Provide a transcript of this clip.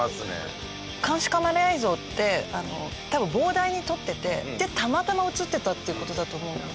監視カメラ映像って多分膨大に撮っててでたまたま映ってたっていう事だと思うので。